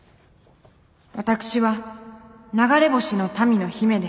私は流れ星の民の姫です。